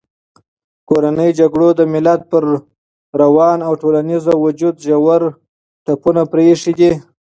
کورنیو جګړو د ملت پر روان او ټولنیز وجود ژور ټپونه پرېښي دي.